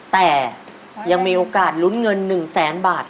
แต่ยังมีโอกาสลุ้นเงิน๑แสนบาท